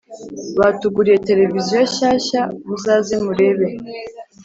batuguriye televiziyo shyashya muzaze murebe